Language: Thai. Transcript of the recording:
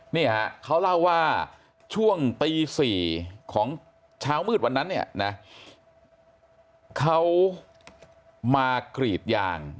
นี่ฮะเขาเล่าว่าช่วงตี๔ของเช้ามืดวันนั้นเนี่ยนะเขามากรีดยาง